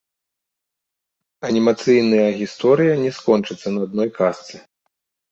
Анімацыйная гісторыя не скончыцца на адной казцы.